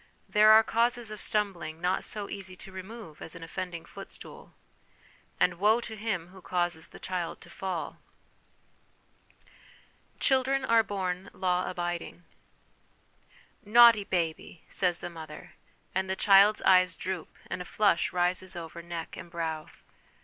There are causes of stumbling not so easy to remove as an offending footstool ; and woe to him who causes the child to fall ! Children are born Law abiding.' Naughty baby !' says the mother ; and the child's eyes droop, and a flush rises over neck and brow.